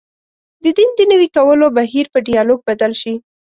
د دین د نوي کولو بهیر په ډیالوګ بدل شي.